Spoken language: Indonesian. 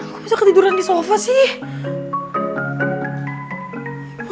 ojah saya gak zeigt bringt ke jalan desa yang gw staying lagi